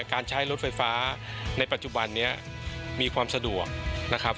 การใช้รถไฟฟ้าในปัจจุบันนี้มีความสะดวกนะครับ